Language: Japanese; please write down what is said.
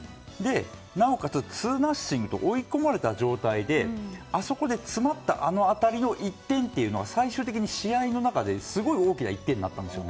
なおかつツーナッシングと追い込まれた状態であそこで詰まった当たりの１点というのは最終的に試合の中ですごい大きな１点になったんです。